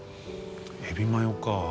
えびマヨか。